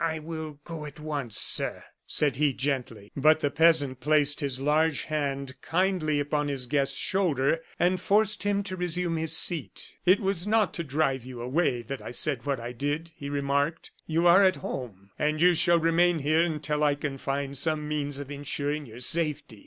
"I will go at once, sir," said he, gently. But the peasant placed his large hand kindly upon his guest's shoulder, and forced him to resume his seat. "It was not to drive you away that I said what I did," he remarked. "You are at home, and you shall remain here until I can find some means of insuring your safety."